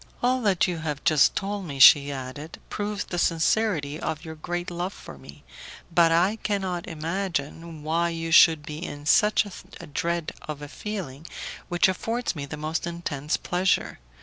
"All you have just told me," she added, "proves the sincerity of your great love for me, but I cannot imagine why you should be in such dread of a feeling which affords me the most intense pleasure.